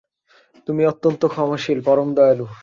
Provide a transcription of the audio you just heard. তুমি অত্যন্ত ক্ষমাশীল, পরম দয়ালু।